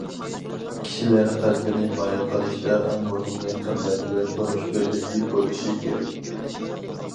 كىشىلەر قەلبىنى مايىل قىلىشتا، ئەڭ مۇھىمى قىممەت ۋە تونۇش بىرلىكى بولۇشى كېرەك.